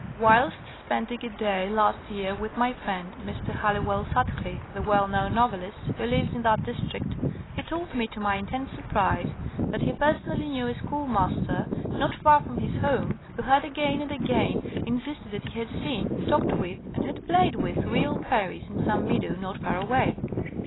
Whilst spending a day last year with my friend, Mr. Halliwell Sutcliffe, the well known novelist, who lives in that district, he told me, to my intense surprise, that he per sonally knew a schoolmaster not far from his home who had again and again insisted that he had seen, talked with, and had played with real fairies in some meadows not far away